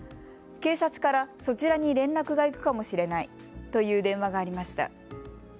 警察からそちらに連絡が行くかもしれないという電話がありました。